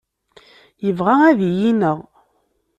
Yebɣa ad iyi-ineɣ.